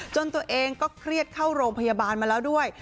ตัวเองก็เครียดเข้าโรงพยาบาลมาแล้วด้วย